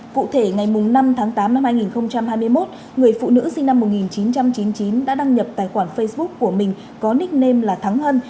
cụ thể ngày năm tháng tám năm hai nghìn hai mươi một người phụ nữ sinh năm một nghìn chín trăm chín mươi chín đã đăng nhập tài khoản facebook của mình có nickname là thắng hân